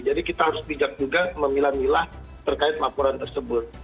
jadi kita harus bijak juga memilah milah terkait laporan tersebut